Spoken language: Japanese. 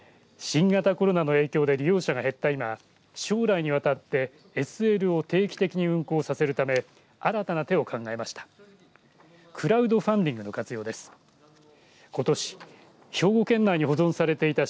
新型コロナの影響で利用者が減った今将来にわたってＳＬを定期的に運行させるため新たな手を考えました。